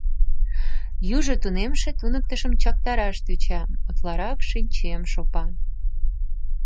Южо тунемше туныктышым чактараш тӧча, утларак шинчем, шопа.